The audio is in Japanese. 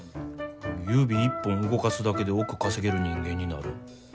指一本動かすだけで億稼げる人間になる。